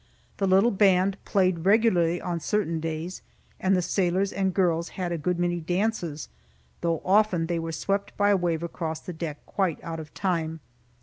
The little band played regularly on certain days, and the sailors and girls had a good many dances, though often they were swept by a wave across the deck, quite out of time.